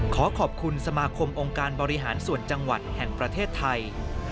ขอขอบคุณสมาคมองค์การบริหารส่วนจังหวัดแห่งประเทศไทย